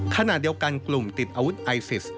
ขณะเดียวกันกลุ่มติดอาวุธไอซิส